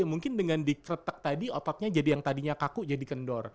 mungkin dengan dikretek tadi ototnya jadi yang tadinya kaku jadi kendor